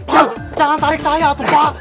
yuk jangan tarik saya tuh pak